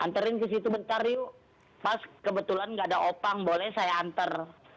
antarin ke situ bentar yuk pas kebetulan nggak ada opang boleh saya antar